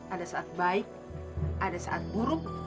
ada saat baik ada saat buruk